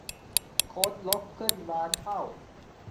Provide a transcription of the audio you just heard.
โค้ดรกขึ้นล้านเท่า